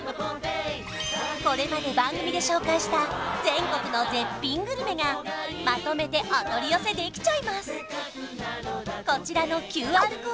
これまで番組で紹介した全国の絶品グルメがまとめてお取り寄せできちゃいます